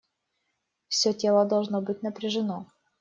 Все тело должно быть напряжено.